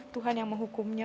tuhan yang menghukumnya